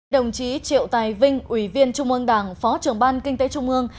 đồng chí triệu tài vinh ủy viên trung mương đảng phó trưởng ban kinh tế trung mương